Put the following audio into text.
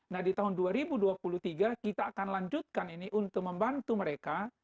nah di tahun dua ribu dua puluh tiga kita akan lanjutkan ini untuk membantu mereka